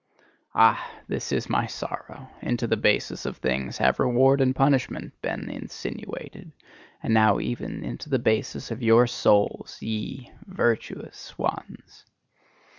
Ah! this is my sorrow: into the basis of things have reward and punishment been insinuated and now even into the basis of your souls, ye virtuous ones!